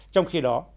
trong khi đó